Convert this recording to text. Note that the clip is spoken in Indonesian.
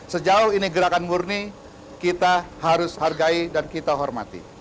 sejauh ini gerakan murni kita harus hargai dan kita hormati